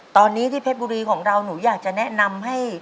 ตอนนี้ที่เพชรบุรีของเราหนูอยากจะแนะนำให้